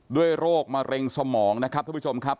โรคมะเร็งสมองนะครับท่านผู้ชมครับ